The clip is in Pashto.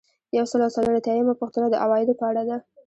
یو سل او څلور اتیایمه پوښتنه د عوایدو په اړه ده.